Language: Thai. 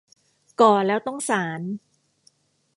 ก่อแล้วต้องสาน